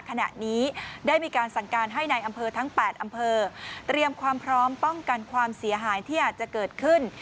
ขณะนี้ได้มีการสั่งการให้ในอำเภอทั้ง๘อำเภอเตรียมความพร้อมป้องกันความเสียหายที่อาจจะเกิดขึ้น